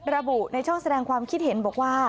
ระบุในช่องแสดงความคิดเห็นบอกว่า